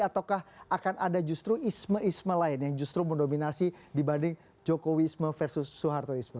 ataukah akan ada justru isme isme lain yang justru mendominasi dibanding jokowisme versus soehartoisme